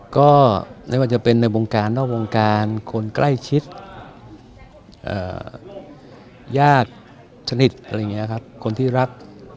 ก็ไม่ว่าจะเป็นในวงการนอกวงการคนใกล้ชิดญาติสนิทอะไรอย่างนี้ครับคนที่รัก